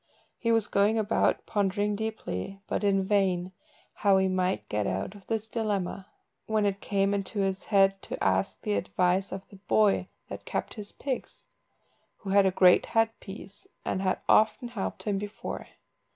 He was going about pondering deeply, but in vain, how he might get out of this dilemma, when it came into his head to ask the advice of the boy that kept his pigs, who had a great head piece, and had often helped him before.